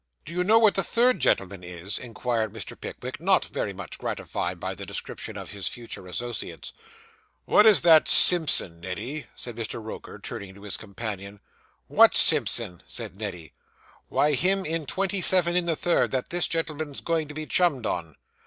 'Do you know what the third gentlemen is?' inquired Mr. Pickwick, not very much gratified by this description of his future associates. 'What is that Simpson, Neddy?' said Mr. Roker, turning to his companion. 'What Simpson?' said Neddy. 'Why, him in twenty seven in the third, that this gentleman's going to be chummed on.